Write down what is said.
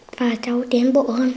và cháu tiến bộ hơn